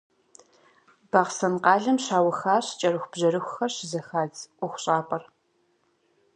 Бахъсэн къалэм щаухуащ кӏэрыхубжьэрыхухэр щызэхадз ӏуэхущӏапӏэр.